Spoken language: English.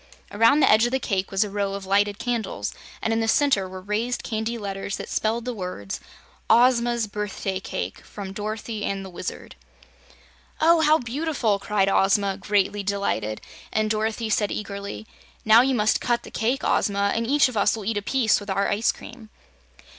Around the edge of the cake was a row of lighted candles, and in the center were raised candy letters that spelled the words: OZMA'S Birthday Cake from Dorothy and the Wizard "Oh, how beautiful!" cried Ozma, greatly delighted, and Dorothy said eagerly: "Now you must cut the cake, Ozma, and each of us will eat a piece with our ice cream."